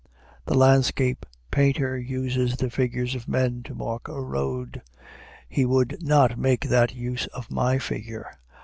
The landscape painter uses the figures of men to mark a road. He would not make that use of my figure.